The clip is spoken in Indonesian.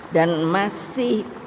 dan masih terangkat